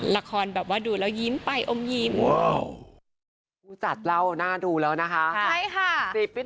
ละครแบบว่าดูแล้วยิ้นไปอมยิน